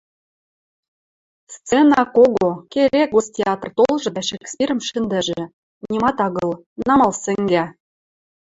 Сцена кого, керек Гостеатр толжы дӓ Шекспирӹм шӹндӹжӹ — нимат агыл, намал сӹнгӓ.